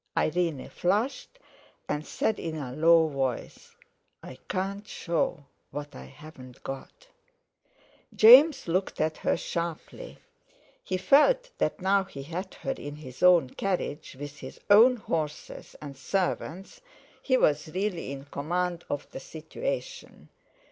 Irene flushed, and said in a low voice: "I can't show what I haven't got." James looked at her sharply; he felt that now he had her in his own carriage, with his own horses and servants, he was really in command of the situation.